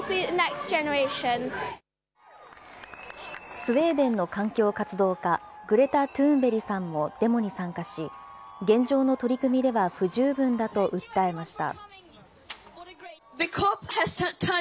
スウェーデンの環境活動家、グレタ・トゥーンベリさんもデモに参加し、現状の取り組みでは不十分だと訴えました。